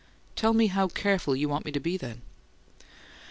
"Tell me how 'careful' you want me to be, then!"